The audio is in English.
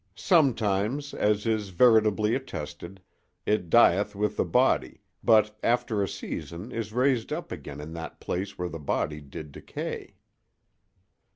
Sometimes, as is veritably attested, it dieth with the body, but after a season is raised up again in that place where the body did decay.